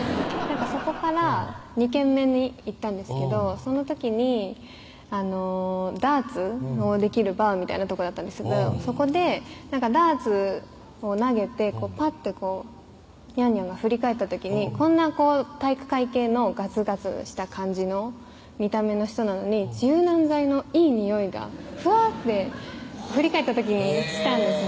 そこから２軒目に行ったんですけどその時にダーツのできるバーみたいなとこだったんですけどそこでダーツを投げてぱっとこうにゃんにゃんが振り返った時にこんな体育会系のガツガツした感じの見た目の人なのに柔軟剤のいいにおいがふわって振り返った時にしたんですね